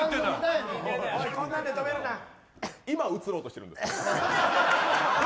今、映ろうとしてるんですか。